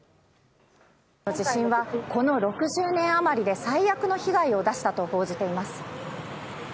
地震は６０年余りで最悪の被害が出たと報じています。